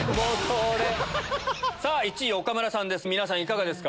さぁ１位岡村さんです